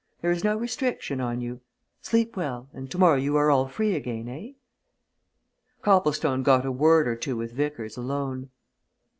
There is no restriction on you. Sleep well and tomorrow you are all free again, eh?" Copplestone got a word or two with Vickers alone.